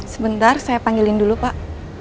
sebentar saya panggilin dulu pak